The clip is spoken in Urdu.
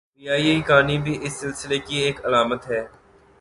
پی آئی اے کی کہانی بھی اس سلسلے کی ایک علامت ہے۔